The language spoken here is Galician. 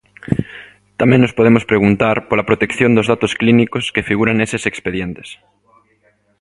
Tamén nos podemos preguntar pola protección dos datos clínicos que figuran neses expedientes.